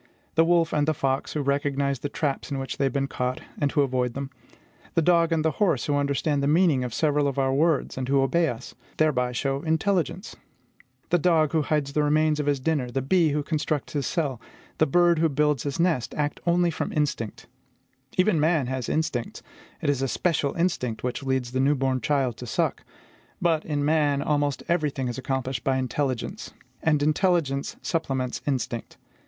The wolf and the fox who recognize the traps in which they have been caught, and who avoid them; the dog and the horse, who understand the meaning of several of our words, and who obey us, thereby show intelligence. The dog who hides the remains of his dinner, the bee who constructs his cell, the bird who builds his nest, act only from instinct. Even man has instincts: it is a special instinct which leads the new born child to suck. But, in man, almost every thing is accomplished by intelligence; and intelligence supplements instinct.